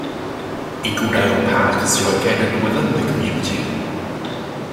Eagledale Park is located within the community.